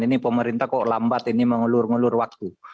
ini pemerintah kok lambat ini mengelur ngelur waktu